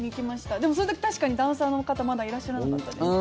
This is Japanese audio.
でも、その時、確かにダンサーの方まだいらっしゃらなかったです。